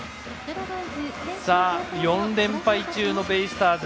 ４連敗中のベイスターズ。